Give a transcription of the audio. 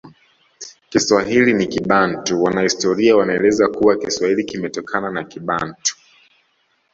Kiswahili ni Kibantu Wanahistoria wanaeleza kuwa Kiswahili kimetokana na Kibantu